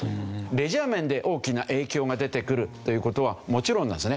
レジャー面で大きな影響が出てくるという事はもちろんなんですね。